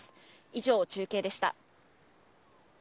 以上、中継でした。